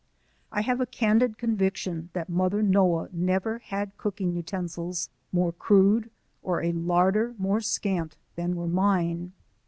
I have a candid conviction that Mother Noah never had cooking utensils more crude, or a larder more scant, than were mine.